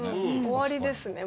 終わりですね